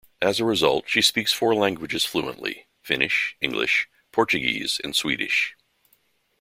As a result she speaks four languages fluently: Finnish, English, Portuguese and Swedish.